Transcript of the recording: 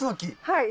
はい。